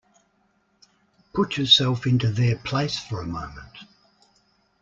Put yourself into their place for a moment.